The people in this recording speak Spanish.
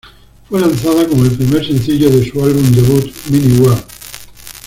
Fue lanzada como el primer sencillo de su álbum debut, "Mini World".